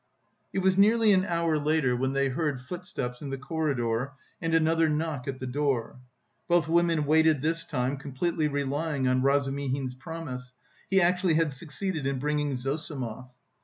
It was nearly an hour later when they heard footsteps in the corridor and another knock at the door. Both women waited this time completely relying on Razumihin's promise; he actually had succeeded in bringing Zossimov.